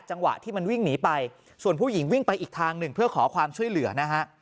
จังหวะที่มันวิ่งหนีไปส่วนผู้หญิงวิ่งไปอีกทางหนึ่งเพื่อขอความช่วยเหลือนะฮะ